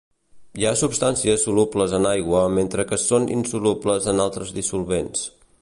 Hi ha substàncies solubles en aigua mentre que són insolubles en altres dissolvents.